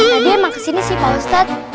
emang kesini sih pak ustadz